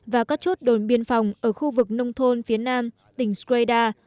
và các chốt đồn biên phòng ở khu vực nông thôn phía nam tỉnh squaida